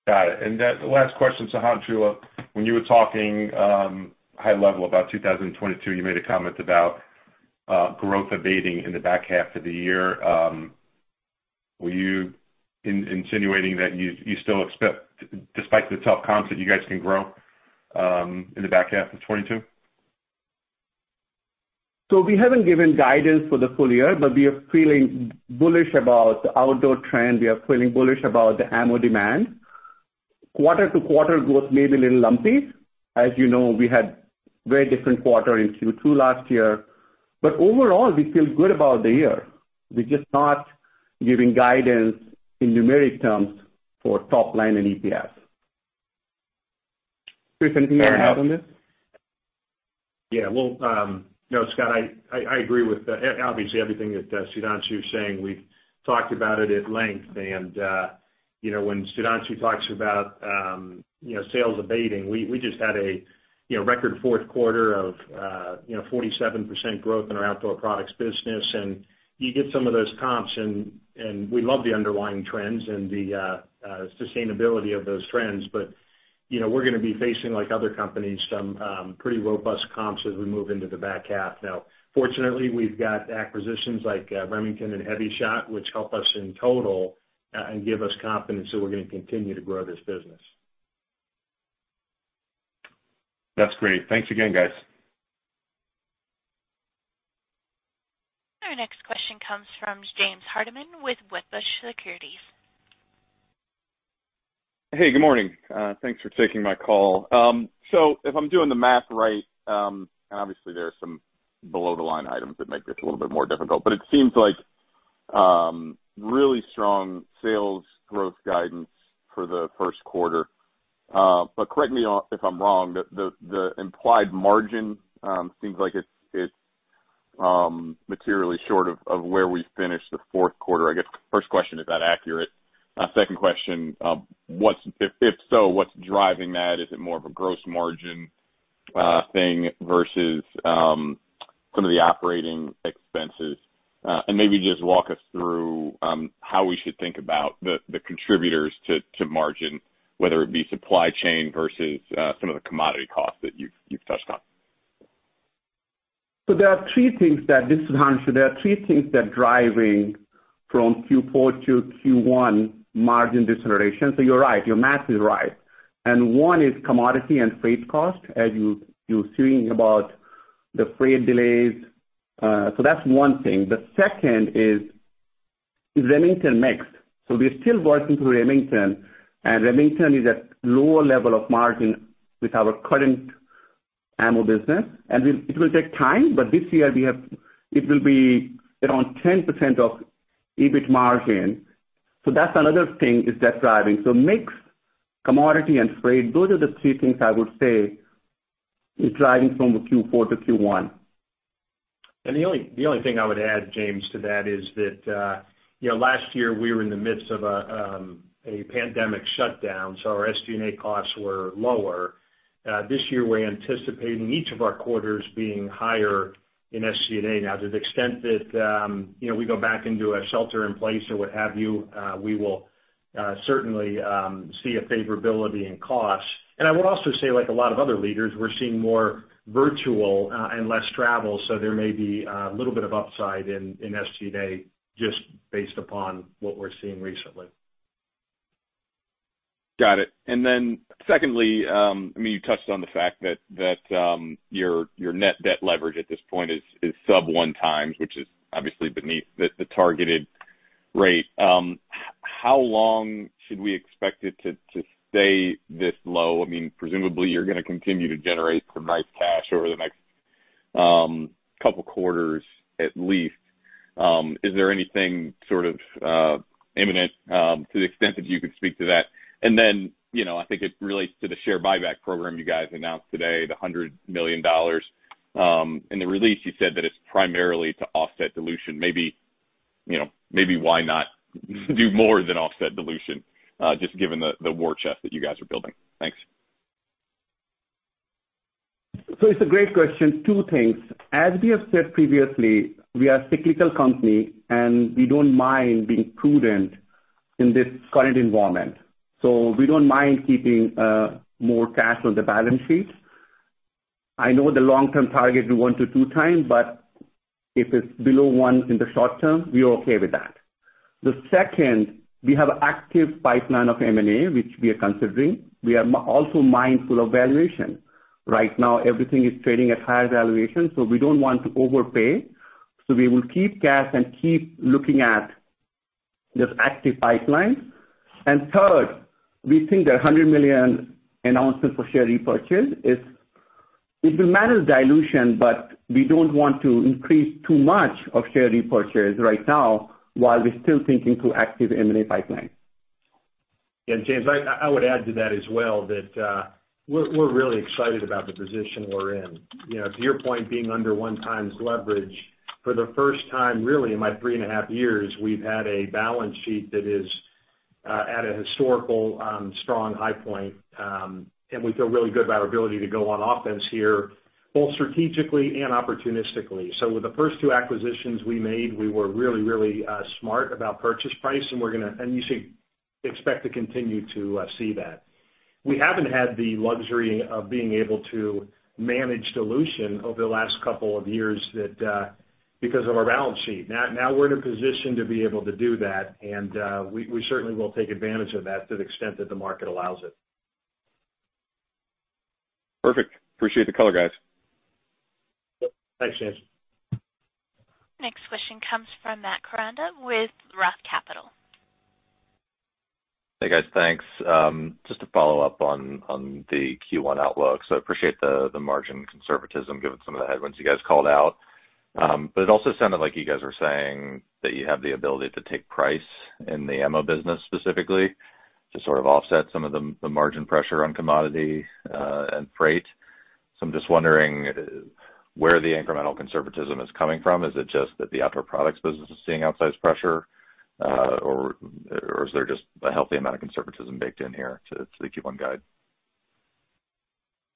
Got it. The last question, Sudhanshu, when you were talking high level about 2022, you made a comment about growth abating in the back half of the year. Were you insinuating that you still expect, despite the tough comps, that you guys can grow in the back half of 2020? We haven't given guidance for the full-year, but we are feeling bullish about the outdoor trend. We are feeling bullish about the ammo demand. Quarter-to-quarter growth may be a little lumpy. As you know, we had very different quarter in Q2 last year. Overall, we feel good about the year. We're just not giving guidance in numeric terms for top line and EPS. Chris, anything you want to add on this? Well, no, Scott, I agree with, obviously, everything that Sudhanshu is saying. We've talked about it at length and when Sudhanshu talks about sales abating, we just had a record fourth quarter of 47% growth in our outdoor products business, and you get some of those comps and we love the underlying trends and the sustainability of those trends. We're going to be facing, like other companies, some pretty robust comps as we move into the back half. Now, fortunately, we've got acquisitions like Remington and Hevi-Shot, which help us in total and give us confidence that we're going to continue to grow this business. That's great. Thanks again, guys. Our next question comes from James Hardiman with Wedbush Securities. Hey, good morning. Thanks for taking my call. If I'm doing the math right, and obviously there are some below the line items that make this a little bit more difficult, but it seems like really strong sales growth guidance for the first quarter. Correct me if I'm wrong, the implied margin seems like it's materially short of where we finished the fourth quarter. I guess the first question, is that accurate? Second question, if so, what's driving that? Is it more of a gross margin thing versus some of the operating expenses? Maybe just walk us through how we should think about the contributors to margin, whether it be supply chain versus some of the commodity costs that you've touched on. There are three things that this is Sudhanshu. There are three things that are driving from Q4 to Q1 margin deceleration. You're right, your math is right. One is commodity and freight cost, as you're seeing about the freight delays. That's one thing. The second is Remington mix. We're still working through Remington, and Remington is at lower level of margin with our current ammo business. It will take time, but this year it will be around 10% of EBIT margin. That's another thing, is that driving. Mix, commodity, and freight, those are the three things I would say is driving from Q4 to Q1. The only thing I would add, James, to that is that last year we were in the midst of a pandemic shutdown, so our SG&A costs were lower. This year, we're anticipating each of our quarters being higher in SG&A. To the extent that we go back into a shelter in place or what have you, we will certainly see a favorability in cost. I would also say, like a lot of other leaders, we're seeing more virtual and less travel, so there may be a little bit of upside in SG&A just based upon what we're seeing recently. Got it. Secondly, you touched on the fact that your net debt leverage at this point is sub one times, which is obviously beneath the targeted rate. How long should we expect it to stay this low? Presumably, you're going to continue to generate some nice cash over the next couple of quarters, at least. Is there anything sort of imminent to the extent that you could speak to that? I think it relates to the share buyback program you guys announced today, the $100 million. In the release, you said that it's primarily to offset dilution. Maybe why not do more than offset dilution, just given the war chest that you guys are building? Thanks. It's a great question. Two things. As we have said previously, we are a cyclical company and we don't mind being prudent in this current environment. We don't mind keeping more cash on the balance sheet. I know the long-term target is one to two times, but if it's below one in the short term, we are okay with that. The second, we have active pipeline of M&A, which we are considering. We are also mindful of valuation. Right now, everything is trading at higher valuation, we don't want to overpay. We will keep cash and keep looking at this active pipeline. Third, we think that $100 million announcement for share repurchase, it will manage dilution, but we don't want to increase too much of share repurchase right now while we're still thinking through active M&A pipeline. Yeah, James, I would add to that as well that we're really excited about the position we're in. To your point, being under one times leverage, for the first time really in my three and a half years, we've had a balance sheet that is at a historical strong high point, and we feel really good about our ability to go on offense here, both strategically and opportunistically. With the first two acquisitions we made, we were really smart about purchase price, and you should expect to continue to see that. We haven't had the luxury of being able to manage dilution over the last couple of years because of our balance sheet. Now we're in a position to be able to do that, and we certainly will take advantage of that to the extent that the market allows it. Perfect. Appreciate the color, guys. Thanks, James. Next question comes from Matt Koranda with Roth Capital. Hey, guys. Thanks. Just to follow up on the Q1 outlook. Appreciate the margin conservatism given some of the headwinds you guys called out. It also sounded like you guys were saying that you have the ability to take price in the ammo business specifically to sort of offset some of the margin pressure on commodity and freight. I'm just wondering where the incremental conservatism is coming from. Is it just that the outdoor products business is seeing outsized pressure, or is there just a healthy amount of conservatism baked in here to the Q1 guide?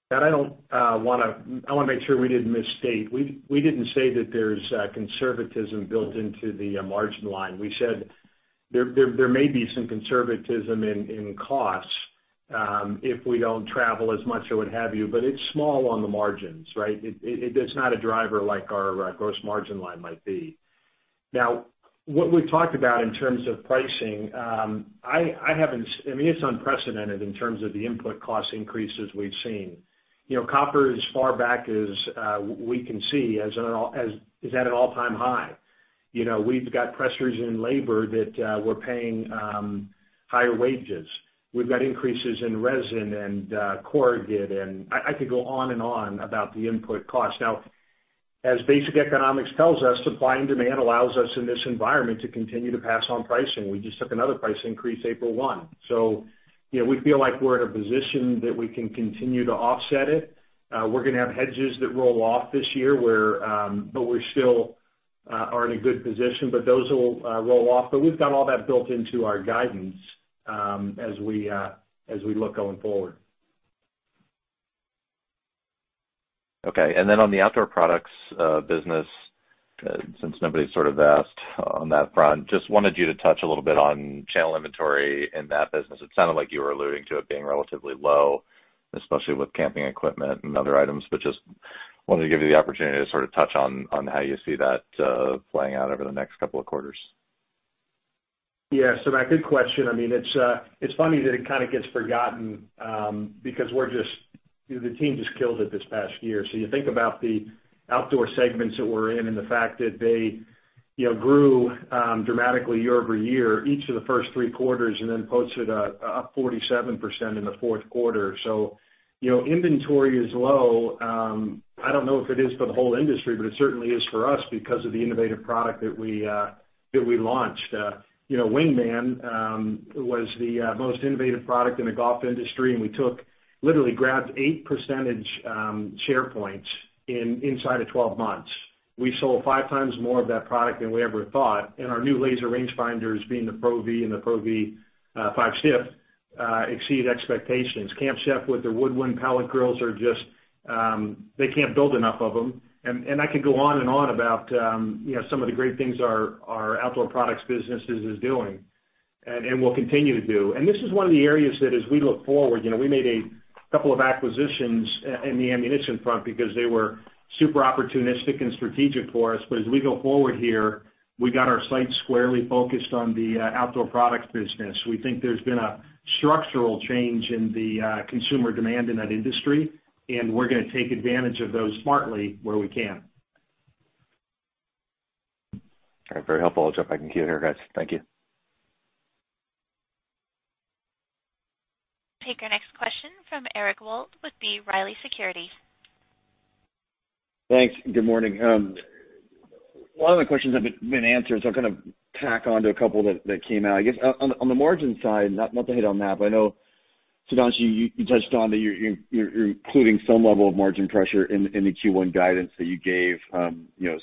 Matt, I want to make sure we didn't misstate. We didn't say that there's conservatism built into the margin line. We said there may be some conservatism in costs if we don't travel as much or what have you. It's small on the margins, right? It's not a driver like our gross margin line might be. What we've talked about in terms of pricing, it's unprecedented in terms of the input cost increases we've seen. Copper, as far back as we can see, is at an all-time high. We've got pressures in labor that we're paying higher wages. We've got increases in resin and corrugated, and I could go on and on about the input costs. As basic economics tells us, supply and demand allows us in this environment to continue to pass on pricing. We just took another price increase April 1. We feel like we're in a position that we can continue to offset it. We're going to have hedges that roll off this year, but we still are in a good position, but those will roll off. We've got all that built into our guidance as we look going forward. Okay. On the outdoor products business, since nobody's sort of asked on that front, just wanted you to touch a little bit on channel inventory in that business. It sounded like you were alluding to it being relatively low, especially with camping equipment and other items. Just wanted to give you the opportunity to sort of touch on how you see that playing out over the next couple of quarters. Yeah. Matt, good question. It's funny that it kind of gets forgotten because the team just killed it this past year. You think about the outdoor segments that we're in and the fact that they grew dramatically year-over-year, each of the first three quarters, posted up 47% in the fourth quarter. Inventory is low. I don't know if it is for the whole industry, but it certainly is for us because of the innovative product that we launched. Wingman was the most innovative product in the golf industry, we literally grabbed eight percentage share points inside of 12 months. We sold five times more of that product than we ever thought, our new laser range finders, being the Pro V and Pro V5 Shift, exceed expectations. Camp Chef with their Woodwind pellet grills, they can't build enough of them. I could go on and on about some of the great things our outdoor products business is doing and will continue to do. This is one of the areas that as we look forward, we made a couple of acquisitions in the ammunition front because they were super opportunistic and strategic for us. As we go forward here, we got our sights squarely focused on the outdoor products business. We think there's been a structural change in the consumer demand in that industry, and we're going to take advantage of those smartly where we can. All right. Very helpful. I'll jump back in queue here, guys. Thank you. Take our next question from Eric Wold with B. Riley Securities. Thanks. Good morning. A lot of the questions have been answered. I'll kind of tack onto a couple that came out. I guess, on the margin side, not to hit on that. I know Sudhanshu, you touched on that you're including some level of margin pressure in the Q1 guidance that you gave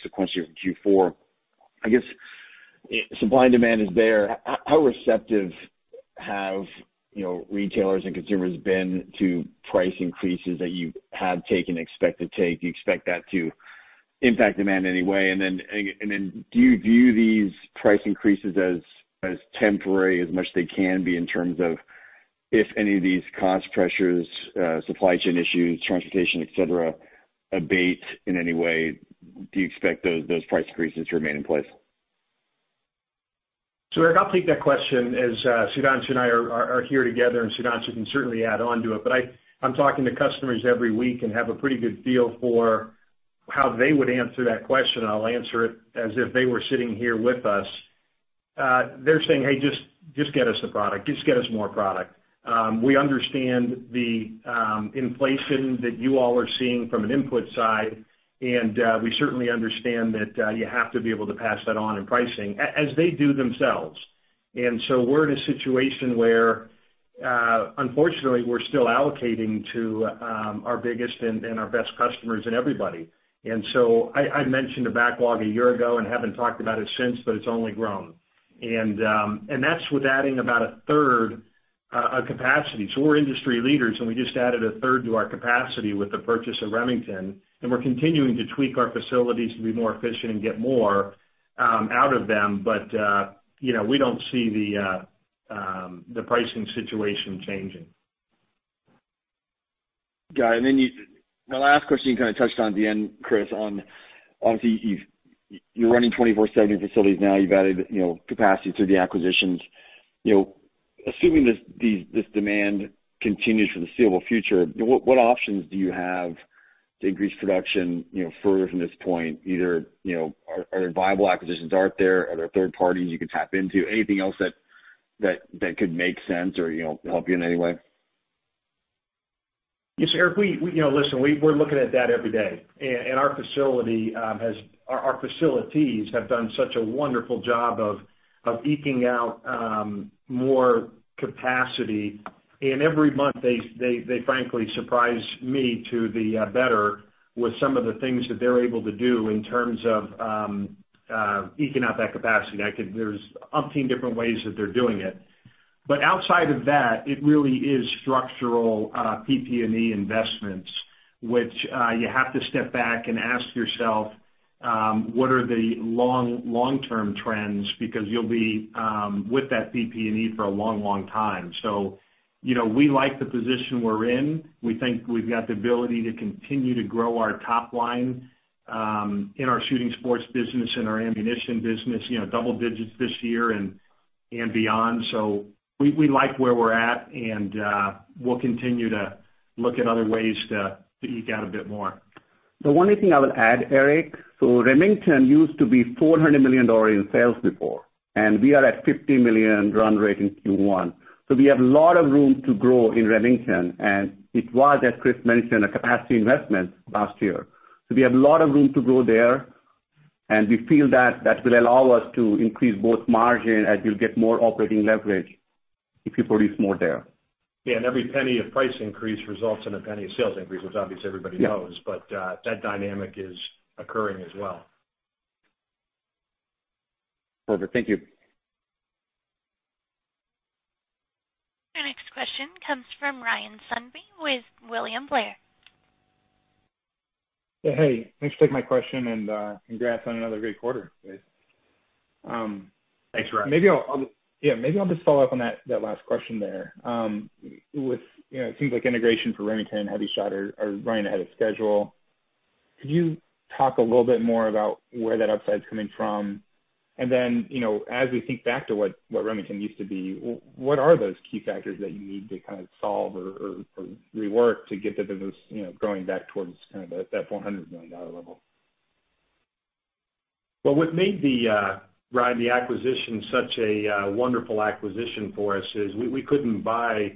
sequential to Q4. I guess supply and demand is there. How receptive have retailers and consumers been to price increases that you have taken, expect to take? Do you expect that to impact demand in any way? Do you view these price increases as temporary, as much as they can be in terms of if any of these cost pressures, supply chain issues, transportation, et cetera, abate in any way? Do you expect those price increases to remain in place? Eric, I'll take that question as Sudhanshu and I are here together, and Sudhanshu can certainly add onto it. I'm talking to customers every week and have a pretty good feel for how they would answer that question, and I'll answer it as if they were sitting here with us. They're saying, "Hey, just get us the product. Just get us more product. We understand the inflation that you all are seeing from an input side, and we certainly understand that you have to be able to pass that on in pricing," as they do themselves. We're in a situation where, unfortunately, we're still allocating to our biggest and our best customers and everybody. I mentioned a backlog a year ago and haven't talked about it since, but it's only grown. That's with adding about a third of capacity. We're industry leaders, and we just added a third to our capacity with the purchase of Remington, and we're continuing to tweak our facilities to be more efficient and get more out of them. We don't see the pricing situation changing. Got it. My last question, you kind of touched on at the end, Chris, on obviously you're running 24/7 facilities now. You've added capacity through the acquisitions. Assuming this demand continues for the foreseeable future, what options do you have to increase production further from this point? Either are there viable acquisitions out there? Are there third parties you could tap into? Anything else that could make sense or help you in any way? Yes, Eric, listen, we're looking at that every day. Our facilities have done such a wonderful job of eking out more capacity. Every month they frankly surprise me to the better with some of the things that they're able to do in terms of eking out that capacity. There's umpteen different ways that they're doing it. Outside of that, it really is structural PP&E investments, which you have to step back and ask yourself, what are the long-term trends? Because you'll be with that PP&E for a long time. We like the position we're in. We think we've got the ability to continue to grow our top line, in our shooting sports business and our ammunition business, double digits this year and beyond. We like where we're at, and we'll continue to look at other ways to eke out a bit more. The only thing I would add, Eric, Remington used to be $400 million in sales before, and we are at $50 million run rate in Q1. We have a lot of room to grow in Remington, and it was, as Chris mentioned, a capacity investment last year. We have a lot of room to grow there, and we feel that will allow us to increase both margin as we'll get more operating leverage if we produce more there. Yeah, every penny of price increase results in a penny of sales increase, which obviously everybody knows, but that dynamic is occurring as well. Perfect. Thank you. Our next question comes from Ryan Sundby with William Blair. Hey, thanks for taking my question, and congrats on another great quarter, guys. Thanks, Ryan. Yeah. Maybe I'll just follow up on that last question there. It seems like integration for Remington and Hevi-Shot are running ahead of schedule. Could you talk a little bit more about where that upside's coming from? As we think back to what Remington used to be, what are those key factors that you need to kind of solve or rework to get the business growing back towards kind of that $400 million level? Well, what made, Ryan, the acquisition such a wonderful acquisition for us is we couldn't buy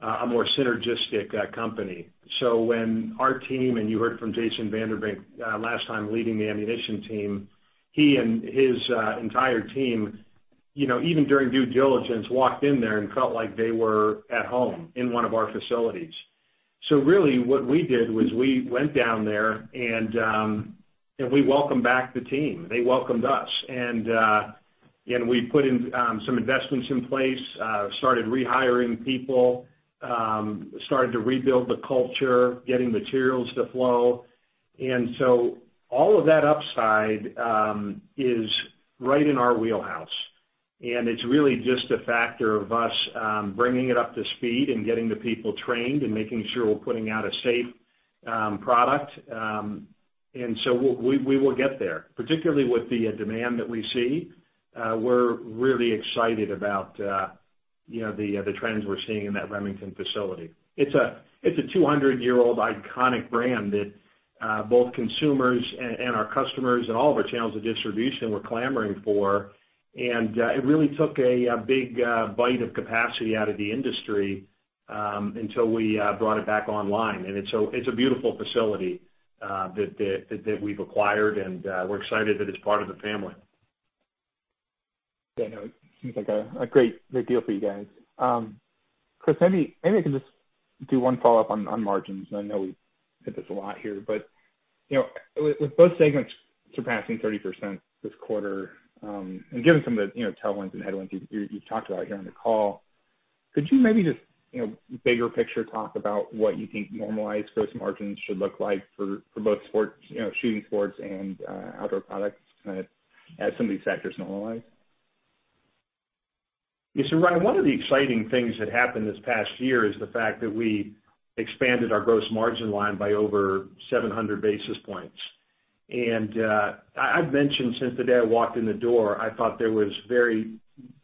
a more synergistic company. When our team, and you heard from Jason Vanderbrink last time leading the ammunition team, he and his entire team, even during due diligence, walked in there and felt like they were at home in one of our facilities. Really, what we did was we went down there, and we welcomed back the team. They welcomed us. We put in some investments in place, started rehiring people, started to rebuild the culture, getting materials to flow. All of that upside is right in our wheelhouse, and it's really just a factor of us bringing it up to speed and getting the people trained and making sure we're putting out a safe product. We will get there, particularly with the demand that we see. We're really excited about the trends we're seeing in that Remington facility. It's a 200-year-old iconic brand that both consumers and our customers and all of our channels of distribution were clamoring for. It really took a big bite of capacity out of the industry, until we brought it back online. It's a beautiful facility that we've acquired, and we're excited that it's part of the family. Yeah, no, it seems like a great deal for you guys. Chris, maybe I can just do one follow-up on margins. I know we hit this a lot here. With both segments surpassing 30% this quarter, and given some of the tailwinds and headwinds you've talked about here on the call, could you maybe just bigger picture talk about what you think normalized gross margins should look like for both shooting sports and outdoor products as some of these factors normalize? Yes, Ryan, one of the exciting things that happened this past year is the fact that we expanded our gross margin line by over 700 basis points. I've mentioned since the day I walked in the door, I thought there was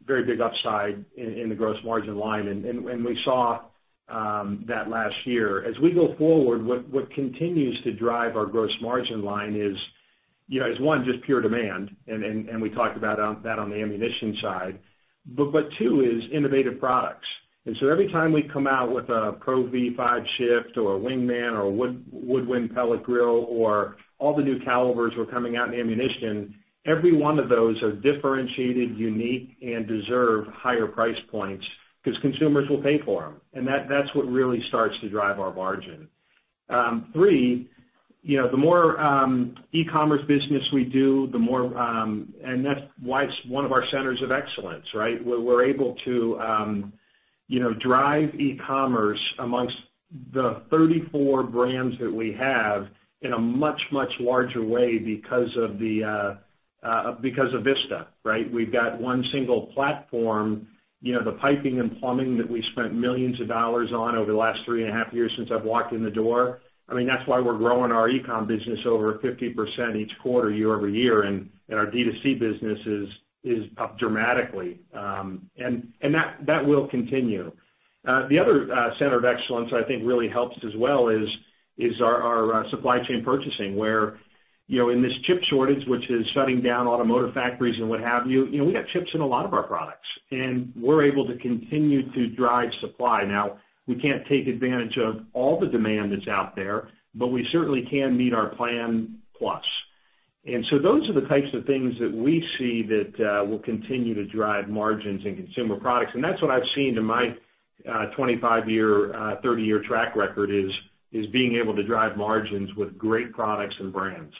very big upside in the gross margin line, and we saw that last year. As we go forward, what continues to drive our gross margin line is, one, just pure demand. We talked about that on the ammunition side, but two is innovative products. Every time we come out with a Tour V5 Shift or a Wingman or a Woodwind Pellet Grill or all the new calibers that are coming out in ammunition, every one of those are differentiated, unique, and deserve higher price points because consumers will pay for them. That's what really starts to drive our margin. Three, the more e-commerce business we do, and that's why it's one of our centers of excellence. We're able to drive e-commerce amongst the 34 brands that we have in a much, much larger way because of Vista. We've got one single platform, the piping and plumbing that we spent millions of dollars on over the last three and a half years since I've walked in the door. That's why we're growing our e-com business over 50% each quarter, year-over-year, and our D2C business is up dramatically. That will continue. The other center of excellence I think really helps as well is our supply chain purchasing, where in this chip shortage, which is shutting down automotive factories and what have you, we got chips in a lot of our products. We're able to continue to drive supply. We can't take advantage of all the demand that's out there, but we certainly can meet our plan plus. Those are the types of things that we see that will continue to drive margins in consumer products. That's what I've seen in my 25 year, 30 year track record is being able to drive margins with great products and brands.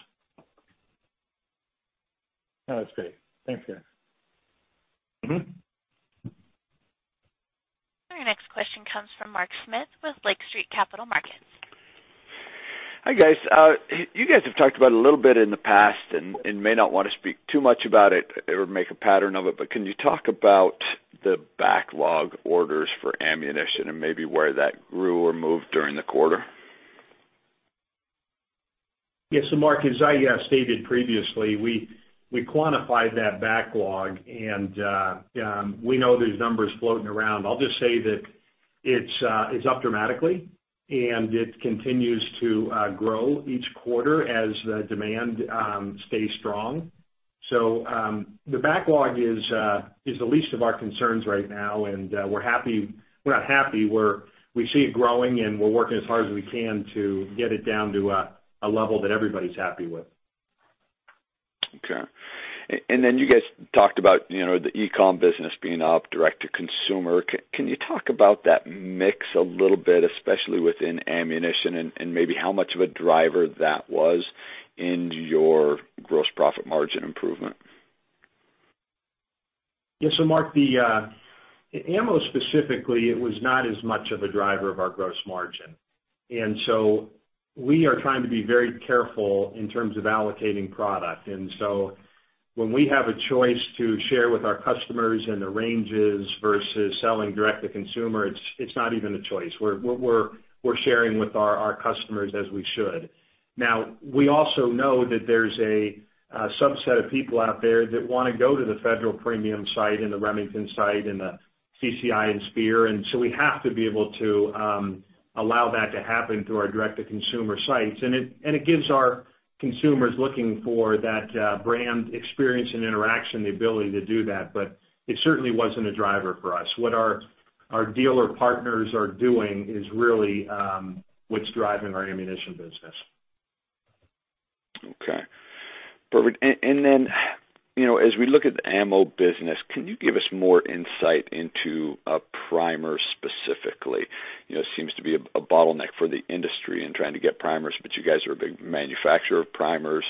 That's great. Thanks, Chris. Our next question comes from Mark Smith with Lake Street Capital Markets. Hi, guys. You guys have talked about a little bit in the past, and may not want to speak too much about it or make a pattern of it, but can you talk about the backlog orders for ammunition and maybe where that grew or moved during the quarter? Yeah. Mark, as I stated previously, we quantified that backlog and we know there's numbers floating around. I'll just say that it's up dramatically and it continues to grow each quarter as the demand stays strong. The backlog is the least of our concerns right now, and we're not happy, we see it growing, and we're working as hard as we can to get it down to a level that everybody's happy with. Okay. you guys talked about the e-commerce business being up, direct to consumer. Can you talk about that mix a little bit, especially within ammunition and maybe how much of a driver that was in your gross profit margin improvement? Yeah. Mark, ammo specifically, it was not as much of a driver of our gross margin. We are trying to be very careful in terms of allocating product. When we have a choice to share with our customers in the ranges versus selling direct-to-consumer, it's not even a choice. We're sharing with our customers as we should. Now, we also know that there's a subset of people out there that want to go to the Federal Premium site and the Remington site and the CCI and Speer, we have to be able to allow that to happen through our direct-to-consumer sites. It gives our consumers looking for that brand experience and interaction, the ability to do that. It certainly wasn't a driver for us. What our dealer partners are doing is really what's driving our ammunition business. Okay. Perfect. As we look at the ammo business, can you give us more insight into a primer specifically? It seems to be a bottleneck for the industry in trying to get primers, but you guys are a big manufacturer of primers.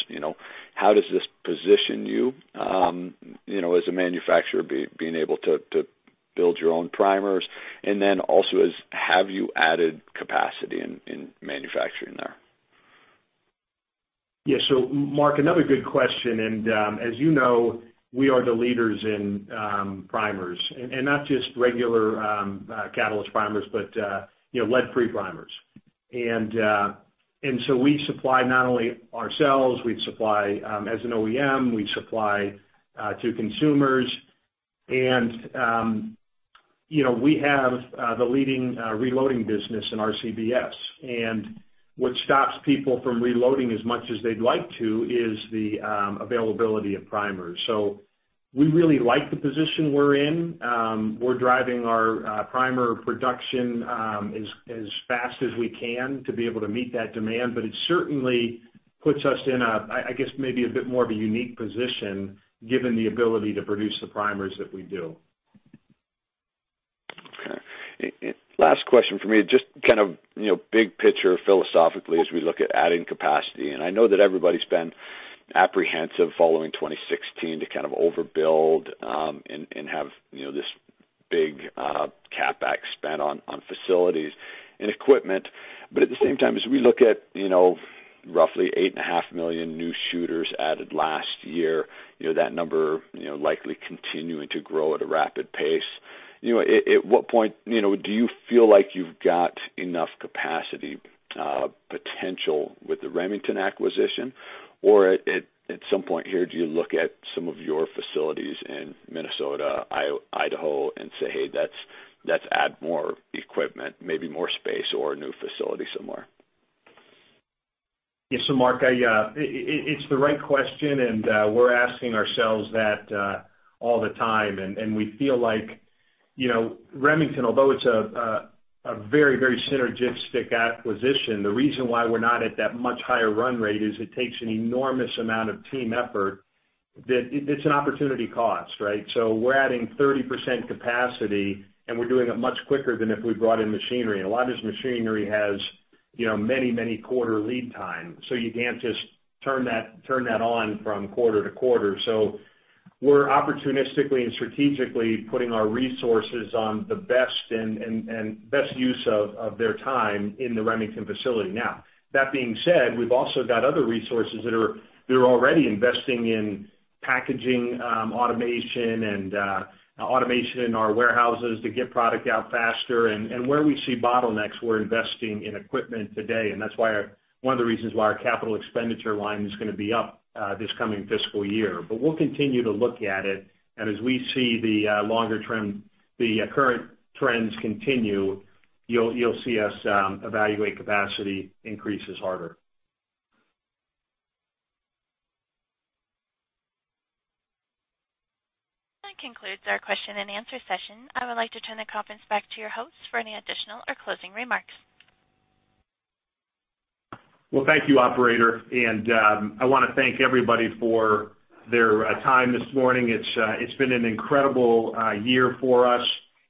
How does this position you as a manufacturer, being able to build your own primers? Have you added capacity in manufacturing there? Yeah. Mark, another good question, as you know, we are the leaders in primers, not just regular Catalyst primers, but lead-free primers. We supply not only ourselves, we supply as an OEM, we supply to consumers. We have the leading reloading business in RCBS. What stops people from reloading as much as they'd like to is the availability of primers. We really like the position we're in. We're driving our primer production as fast as we can to be able to meet that demand. It certainly puts us in, I guess maybe a bit more of a unique position given the ability to produce the primers that we do. Okay. Last question from me, just kind of big picture philosophically as we look at adding capacity, and I know that everybody's been apprehensive following 2016 to kind of overbuild and have this big CapEx spend on facilities and equipment. At the same time, as we look at roughly 8.5 million new shooters added last year, that number likely continuing to grow at a rapid pace, at what point do you feel like you've got enough capacity potential with the Remington acquisition? At some point here, do you look at some of your facilities in Minnesota, Idaho, and say, "Hey, let's add more equipment, maybe more space or a new facility somewhere? Mark, it's the right question, and we're asking ourselves that all the time. We feel like Remington, although it's a very synergistic acquisition, the reason why we're not at that much higher run rate is it takes an enormous amount of team effort that it's an opportunity cost. We're adding 30% capacity, and we're doing it much quicker than if we brought in machinery. A lot of this machinery has many quarter lead time, so you can't just turn that on from quarter to quarter. We're opportunistically and strategically putting our resources on the best use of their time in the Remington facility. Now, that being said, we've also got other resources that are already investing in packaging automation and automation in our warehouses to get product out faster. Where we see bottlenecks, we're investing in equipment today, and that's one of the reasons why our capital expenditure line is going to be up this coming fiscal year. We'll continue to look at it, and as we see the current trends continue, you'll see us evaluate capacity increases harder. That concludes our question-and-answer session. I would like to turn the conference back to your host for any additional or closing remarks. Well, thank you, operator. I want to thank everybody for their time this morning. It's been an incredible year for us,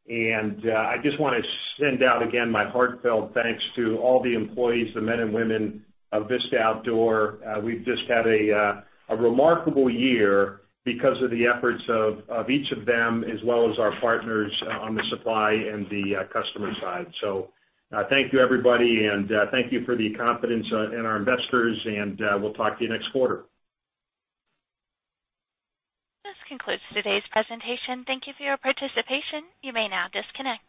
and I just want to send out, again, my heartfelt thanks to all the employees, the men and women of Vista Outdoor. We've just had a remarkable year because of the efforts of each of them as well as our partners on the supply and the customer side. Thank you, everybody, and thank you for the confidence in our investors, and we'll talk to you next quarter. This concludes today's presentation. Thank you for your participation. You may now disconnect.